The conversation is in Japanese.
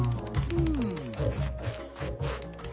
うん。